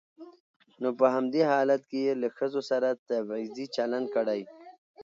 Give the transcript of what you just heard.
نو په همدې حالت کې يې له ښځو سره تبعيضي چلن کړى.